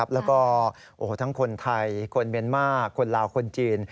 แล้วก็ทั้งคนไทยคนเมียนมาร์คนลาวคนจีน